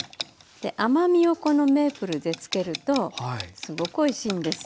甘みをこのメープルでつけるとすごくおいしいんです。